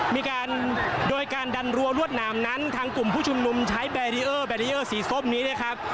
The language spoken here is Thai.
มีการโดยการดันรัวรวดหนามนั้นทางกลุ่มผู้ชุมนุมใช้แบรีเออร์แบรีเออร์สีส้มนี้นะครับ